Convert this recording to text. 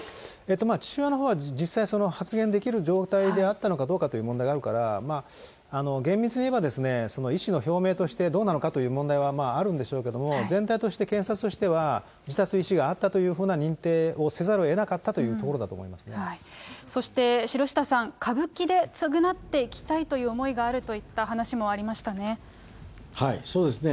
父親のほうは実際、発言できる状態であったのかどうかという問題があるから、厳密にいえば、意思の表明として、どうなのかという問題はまああるんでしょうけども、全体として検察としては、自殺の意思があったというふうな認定をせざるをえなかったというそして、城下さん、歌舞伎で償っていきたいという思いがあるといった話もそうですね。